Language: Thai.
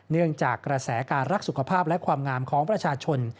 เนื่องจากกระแสการรักสุขภาพและความงามของประชาชน